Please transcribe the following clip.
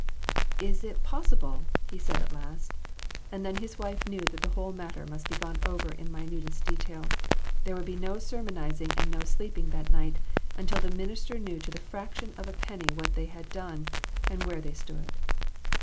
" Is it possible ?" he said at last, and then his wife knew that the whole matter must be gone over in minutest detail ; there would be no ser monizing and no sleeping that night until the minister knew to the fraction of a penny what they had done, and where they stood.